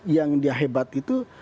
yang dia hebat itu